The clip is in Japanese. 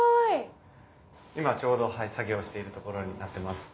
今ちょうど作業しているところになってます。